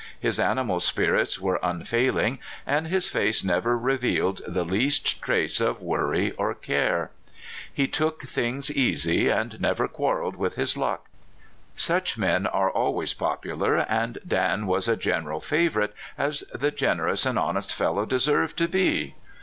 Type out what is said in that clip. His animal spirits were unfaihng, and his face never revealed the least trace of worry or care.^ He *' took things easy," and never quarreled with his luck. Such men are always popular, and Dan was a general favorite, as the generous and honest fel low deserved to be.